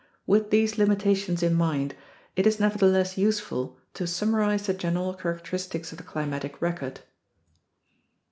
With these limitations in mind, it is nevertheless useful to summarize the general characteristics of the climatic record: o m loo ==§ E ™